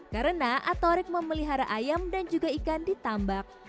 karena atorik memelihara ayam dan juga ikan ditambak